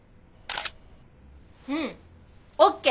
うんＯＫ！